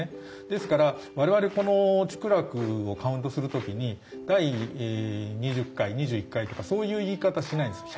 ですから我々この竹楽をカウントする時に第２０回２１回とかそういう言い方しないんですよ。